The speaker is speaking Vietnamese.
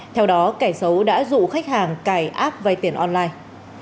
theo đó kẻ xấu đã dụ khách hàng cài áp vay tiền online